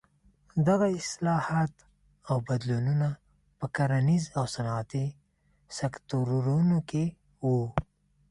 دغه اصلاحات او بدلونونه په کرنیز او صنعتي سکتورونو کې وو.